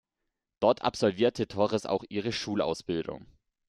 Dort absolvierte Torres auch ihre Schulausbildung.